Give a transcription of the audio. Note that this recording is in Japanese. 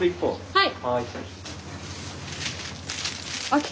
はい。